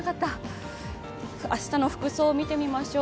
明日の服装を見てみましょう。